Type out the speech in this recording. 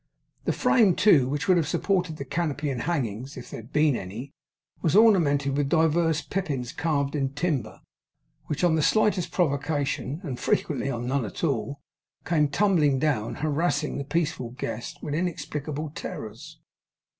The frame too, which would have supported the canopy and hangings if there had been any, was ornamented with divers pippins carved in timber, which on the slightest provocation, and frequently on none at all, came tumbling down; harassing the peaceful guest with inexplicable terrors.